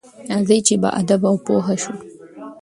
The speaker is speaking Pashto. راځئ چې باادبه او پوه شو.